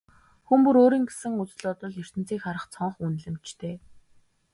Хүн бүр өөр өөрийн гэсэн үзэл бодол, ертөнцийг харах цонх, үнэлэмжтэй.